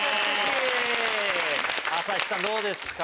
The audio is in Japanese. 朝日さんどうですか？